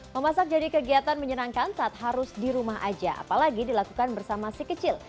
memasak jadi kegiatan menyenangkan saat harus di rumah aja apalagi dilakukan bersama si kecil